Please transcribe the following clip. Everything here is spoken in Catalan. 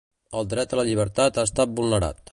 El dret a la llibertat ha estat vulnerat.